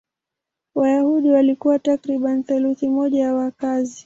Wayahudi walikuwa takriban theluthi moja ya wakazi.